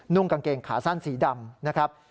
กางเกงขาสั้นสีดำนะครับ